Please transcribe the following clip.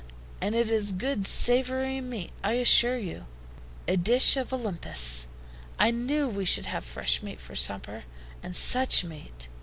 "And it is good savory meat, I assure you; a dish of Olympus! I knew we should have fresh meat for supper, and such meat!